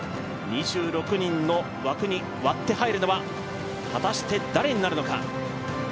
２６人の枠に割って入るのは果たして誰になるのか。